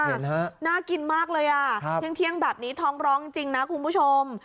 น่ากินมากเลยอ่ะเที่ยงแบบนี้ท้องร้องจริงนะคุณผู้ชม